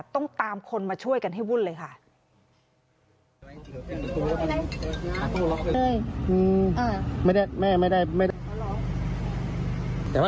ต้องตามคนมาช่วยกันให้วุ่นเลยค่ะ